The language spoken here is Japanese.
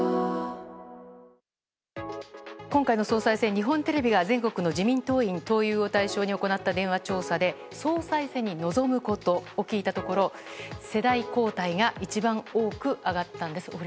日本テレビが全国の自民党員党友を対象に行った電話調査で総裁選に望むことを聞いたところ世代交代が一番多く上がったんです。